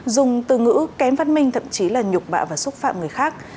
dùng từ ngữ kém phát minh thậm chí là nhục bạ và xúc phạm người khác